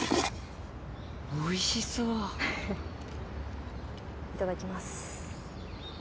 おいしそういただきます